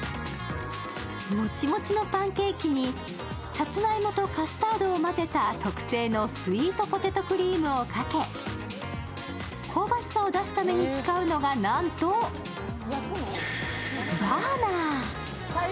もちもちのパンケーキにさつまいもとカスタードを混ぜた特製のスイートポテトクリームをかけ、香ばしさを出すために使うのがなんとバーナー。